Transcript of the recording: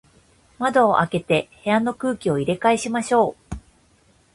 窓を開けて、部屋の空気を入れ替えましょう。